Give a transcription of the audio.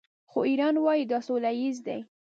خو ایران وايي دا سوله ییز دی.